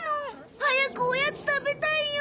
早くおやつ食べたいよ。